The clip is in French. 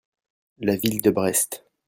La ville de Brest.